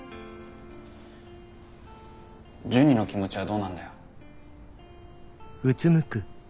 ジュニの気持ちはどうなんだよ。